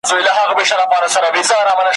زه به ستا پرشونډو ګرځم ته به زما غزلي لولې ,